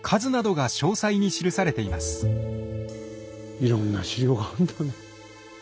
いろんな史料があるんだね。